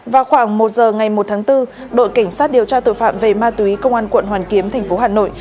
vào khoảng một giờ ngày một tháng bốn đội cảnh sát điều tra tội phạm về ma túy công an quận hoàn kiếm thành phố hà nội